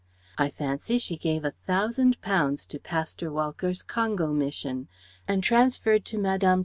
I fancy she gave a Thousand pounds to Pasteur Walcker's Congo Mission; and transferred to Mme.